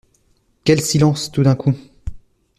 Quel silence, tout d’un coup !…